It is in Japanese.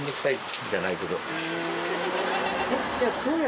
じゃないけど。